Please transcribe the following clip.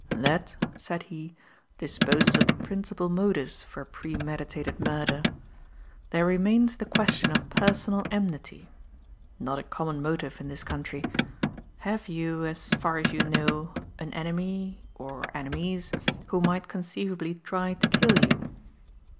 "That," said he, "disposes of the principal motives for premeditated murder. There remains the question of personal enmity not a common motive in this country. Have you, as far as you know, an enemy or enemies who might conceivably try to kill you?"